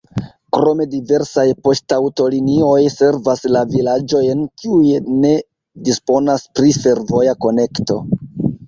Krome diversaj poŝtaŭtolinioj servas la vilaĝojn, kiuj ne disponas pri fervoja konekto.